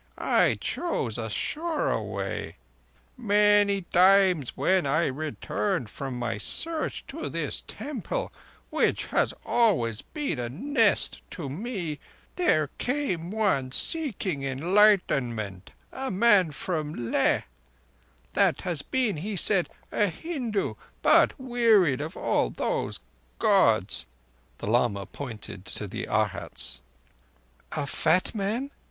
I chose a surer way. Many times when I returned from my Search to this Temple, which has always been a nest to me, there came one seeking Enlightenment—a man from Leh—that had been, he said, a Hindu, but wearied of all those Gods." The lama pointed to the Arhats. "A fat man?"